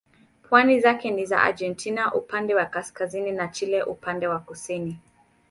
Pwani zake ni za Argentina upande wa kaskazini na Chile upande wa kusini.